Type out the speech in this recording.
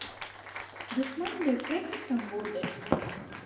دښمن د کرکې سمبول دی